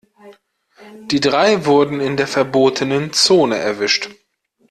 Die drei wurden in der verbotenen Zone erwischt.